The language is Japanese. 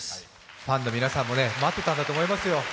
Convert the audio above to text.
ファンの皆さんも待ってたんだと思いますよ。